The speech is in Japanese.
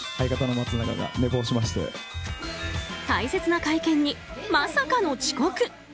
大切な会見にまさかの遅刻。